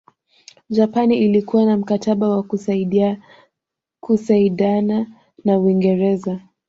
Japani ilikuwa na mkataba wa kusaidana na Uingreza